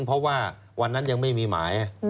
เพราะว่าวันนั้นยังไม่มีหมาย